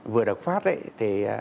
vừa được phát